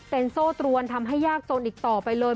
เป็นโซ่ตรวนทำให้ยากจนอีกต่อไปเลย